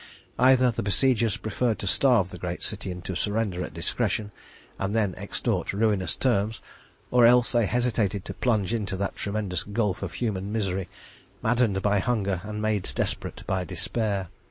Either the besiegers preferred to starve the great city into surrender at discretion, and then extort ruinous terms, or else they hesitated to plunge into that tremendous gulf of human misery, maddened by hunger and made desperate by despair.